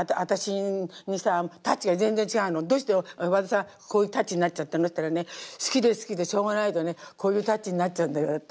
「どうして和田さんこういうタッチになっちゃったの？」って言ったらね「好きで好きでしょうがないとねこういうタッチになっちゃうんだよ」って。